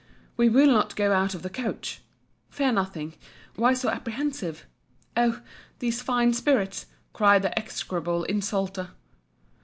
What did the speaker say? —We will not go out of the coach!—Fear nothing—Why so apprehensive?—Oh! these fine spirits!—cried the execrable insulter.